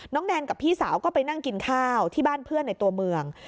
แนนกับพี่สาวก็ไปนั่งกินข้าวที่บ้านเพื่อนในตัวเมือง